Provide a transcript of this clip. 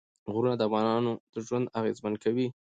غرونه د افغانانو ژوند اغېزمن کوي.